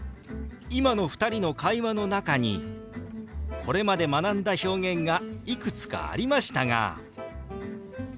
今の２人の会話の中にこれまで学んだ表現がいくつかありましたが分かりました？